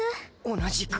同じく。